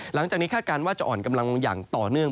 หลังจากนี้คาดการณ์ว่าจะอ่อนกำลังอย่างต่อเนื่อง